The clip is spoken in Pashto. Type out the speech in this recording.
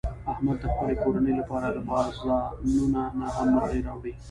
احمد د خپلې کورنۍ لپاره له بازانونه نه هم مرغۍ راوړي.